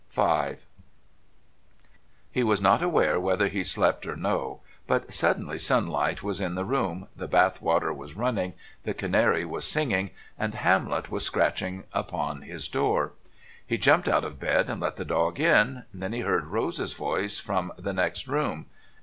V He was not aware whether he slept or no, but suddenly sunlight was in the room, the bath water was running, the canary was singing and Hamlet was scratching upon his door. He jumped out of bed and let the dog in. Then he heard Rose's voice from the next room